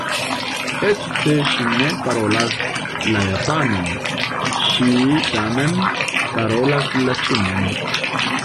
Eĉ se ŝi ne parolas la japanan, ŝi tamen parolas la ĉinan.